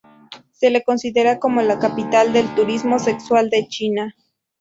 Se le considera como la capital del turismo sexual de China.